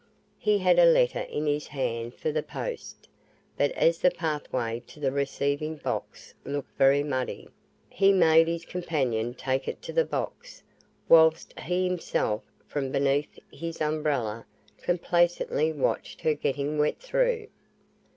He had a letter in his hand for the post; but as the pathway to the receiving box looked very muddy, he made his companion take it to the box, whilst he himself, from beneath his umbrella, complacently watched her getting wet through.